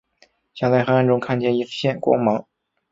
像在黑暗中看见一线光芒